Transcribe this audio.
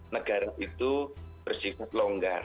negara itu bersifat longgar